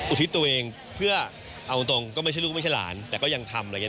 อุทิศตัวเองเพื่อเอาจริงก็ไม่ใช่ลูกไม่ใช่หลานแต่ก็ยังทำ